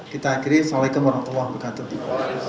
kita akhiri assalamu alaikum warahmatullahi wabarakatuh